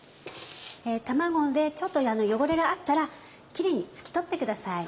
卵でちょっと汚れがあったらキレイに拭き取ってください。